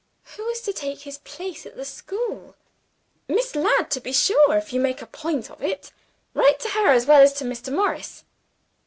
"Who is to take his place at the school?" "Miss Ladd, to be sure if you make a point of it. Write to her, as well as to Mr. Morris."